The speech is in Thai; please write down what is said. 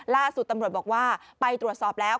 ล่าสุดตำรวจบอกว่าไปตรวจสอบแล้ว